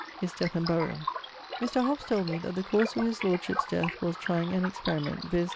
<_His death and burial._> Mr. Hobbs told me that the cause of his lordship's death was trying an experiment: viz.